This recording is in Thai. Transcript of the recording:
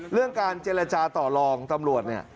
เรื่องการเจรจาต่อลองตำรวจเนี่ย